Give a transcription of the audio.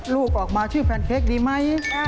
ลูกออกมาชื่อแพนเค้กดีไหม